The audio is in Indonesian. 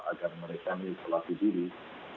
agar mereka bisa laki laki diri